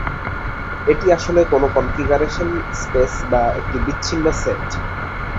এটি আসলে কোনো কনফিগারেশন স্পেস বা একটি বিচ্ছিন্ন সেট।